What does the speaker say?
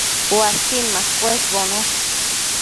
uasin machëshbono